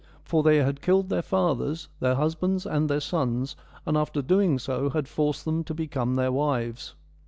For they had killed their fathers, their husbands, and their sons, and after so doing had forced them to become their wives.